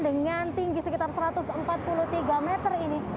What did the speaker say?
dengan tinggi sekitar satu ratus empat puluh tiga meter ini